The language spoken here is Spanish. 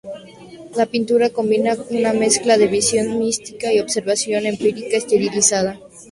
La pintura combina una mezcla de visión mística y observación empírica estilizada.